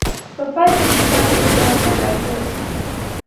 په پای کې د سلب سیخان پیدا کوو